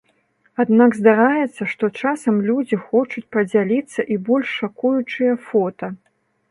Аднак здараецца, што часам людзі хочуць падзяліцца і больш шакуючыя фота.